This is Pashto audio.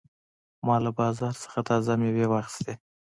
ما له بازار نه تازه مېوې واخیستې.